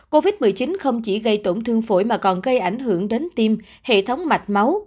covid một mươi chín không chỉ gây tổn thương phổi mà còn gây ảnh hưởng đến tim hệ thống mạch máu